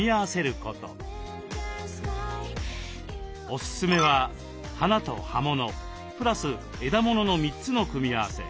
おすすめは花と葉物プラス枝物の３つの組み合わせ。